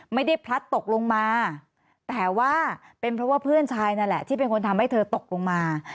พลัดตกลงมาแต่ว่าเป็นเพราะว่าเพื่อนชายนั่นแหละที่เป็นคนทำให้เธอตกลงมา